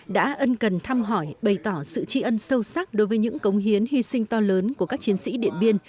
đã ân cần thăm hỏi bày tỏ sự tri ân sâu sắc đối với những cống hiến hy sinh to lớn của các chiến sĩ điện biên